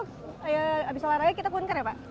habis olahraga kita kunker ya pak